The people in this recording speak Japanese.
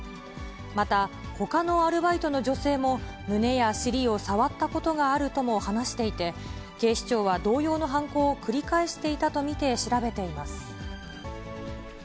また、ほかのアルバイトの女性も、胸や尻を触ったことがあるとも話していて、警視庁は同様の犯行を繰り返していたと見て、調べています。